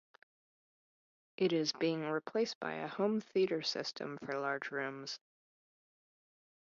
It is being replaced by home theater system for large rooms.